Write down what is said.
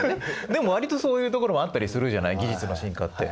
でもわりとそういうところもあったりするじゃない技術の進化って。